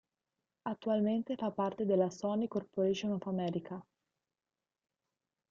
Attualmente fa parte della Sony Corporation of America.